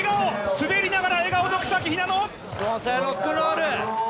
滑りながら笑顔の草木ひなの。